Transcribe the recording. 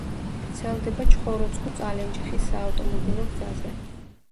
ვრცელდება ჩხოროწყუ–წალენჯიხის საავტომობილო გზაზე.